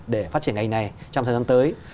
để phát triển ngành này trong thời gian tới